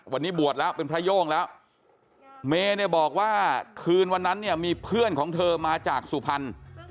วันนี้บวชแล้วเป็นพระโย่งแล้วเมย์เนี่ยบอกว่าคืนวันนั้นเนี่ยมีเพื่อนของเธอมาจากสุพรรณ